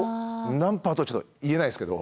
何パーとはちょっと言えないですけど。